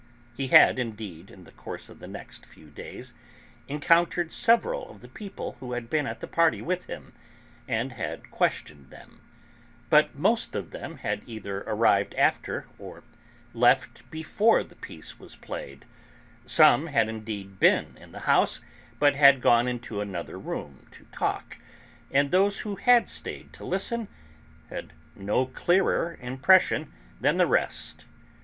He had indeed, in the course of the next few days, encountered several of the people who had been at the party with him, and had questioned them; but most of them had either arrived after or left before the piece was played; some had indeed been in the house, but had gone into another room to talk, and those who had stayed to listen had no clearer impression than the rest.